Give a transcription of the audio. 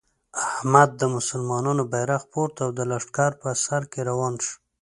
احمد د مسلمانانو بیرغ پورته او د لښکر په سر کې روان شو.